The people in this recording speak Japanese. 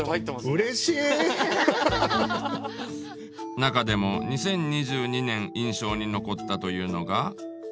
中でも２０２２年印象に残ったというのが。